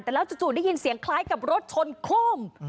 แต่แล้วจู่ได้ยินเสียงคล้ายกับรถชนโค้ม